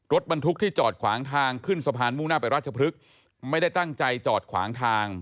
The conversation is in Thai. รถบรรทุกที่จอดขวางทางขึ้นสะพานมุ่งหน้าไปราชพฤกษ์ไม่ได้ตั้งใจจอดขวางทาง